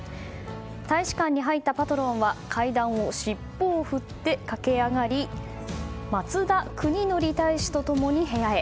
大使館に入ったパトロンは階段を尻尾を振って駆け上がり松田邦紀大使と共に部屋へ。